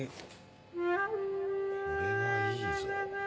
これはいいぞ。